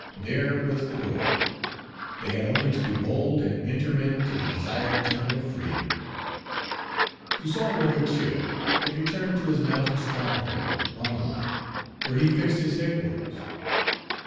There was the door; they had only to be bold and enter in to the desired temple of freedom. Toussaint L'Ouverture had returned to his mountain strong hold, Marmelade, where he fixed his headquarters.